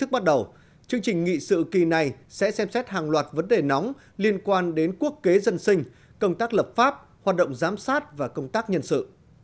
chương trình nghị sự kỳ này sẽ xem xét hàng loạt vấn đề nóng liên quan đến quốc kế dân sinh công tác lập pháp hoạt động giám sát và công tác nhân sự